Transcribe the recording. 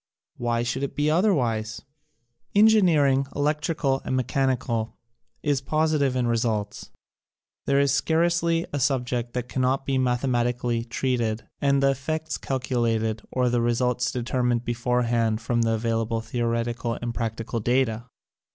Why should it be otherwise? Engineering, electrical and mechanical, is positive in results. There is scarcely a subject that cannot be mathe matically treated and the effects calculated or the results determined beforehand from the available theoretical and practical data.